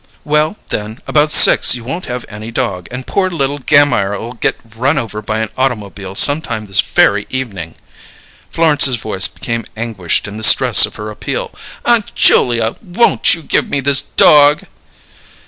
"Well, then, about six you won't have any dog, and poor little Gammire'll get run over by an automobile some time this very evening!" Florence's voice became anguished in the stress of her appeal. "Aunt Julia, won't you give me this dog?"